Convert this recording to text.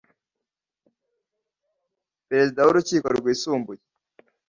Perezida w urukiko rwisumbuye